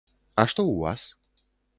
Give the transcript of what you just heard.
А што ў вас?